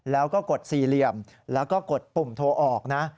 แล้วก็กดสี่เหลี่ยมแล้วก็กดปุ่มโทรออกนะ